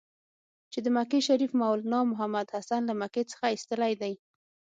چې د مکې شریف مولنا محمودحسن له مکې څخه ایستلی دی.